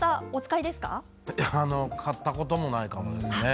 買ったこともないかもですね。